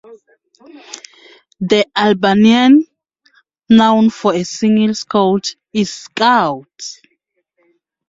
The Albanian noun for a single Scout is "Skaut".